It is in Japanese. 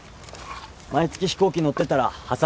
毎月飛行機乗ってたら破産する。